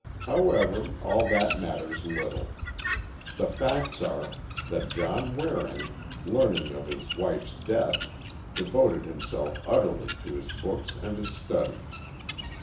However, all that matters little. The facts are that John Waring, learning of his wife's death, devoted himself utterly to his books and his study.